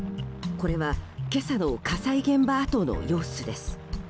これは今朝の火災現場跡の様子です。